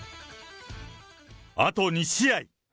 あと２試合！